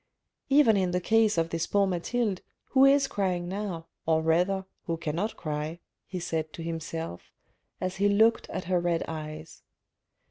Even in the case of this poor Mathilde, who is crying now, or rather, who cannot cry," he said to himself, as he looked at her red eyes.